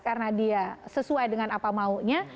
karena dia sesuai dengan apa maunya